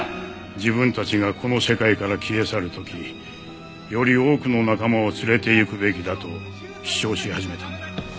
自分たちがこの世界から消え去る時より多くの仲間を連れていくべきだと主張し始めた。